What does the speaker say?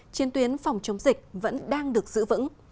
chiến tuyến phòng chống dịch vẫn đang được giữ vững